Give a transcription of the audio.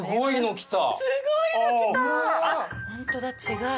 ホントだ違う。